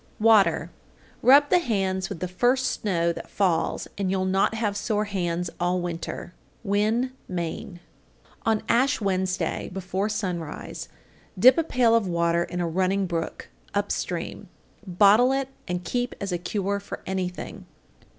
_ WATER. 836. Rub the hands with the first snow that falls and you'll not have sore hands all winter. Winn, Me. 837. On Ash Wednesday before sunrise dip a pail of water in a running brook (up stream), bottle it, and keep as a cure for anything.